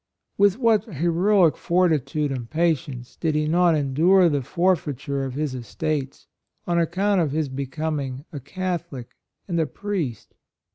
With what heroic fortitude and patience did he not endure the for feiture of his estates, on account of his becoming a Catholic and a priest